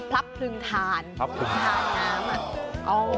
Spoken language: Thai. พับพึ่งทานน้ำพับพึ่งทานน้ำ